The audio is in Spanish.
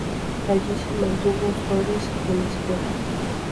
Allí se mantuvo Suárez, en espera.